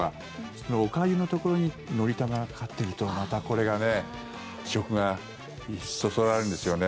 そのおかゆのところに「のりたま」がかかってるとまたこれが食がそそられるんですよね。